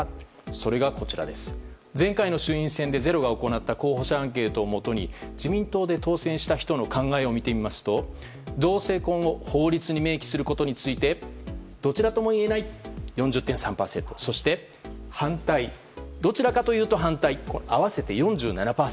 それが、前回の衆院選で「ｚｅｒｏ」が行った候補者アンケートをもとに自民党で当選した人の考えを見てみますと同性婚を法律に明記することについてどちらともいえない４０．３％反対がどちらかというと反対を合わせると４７％。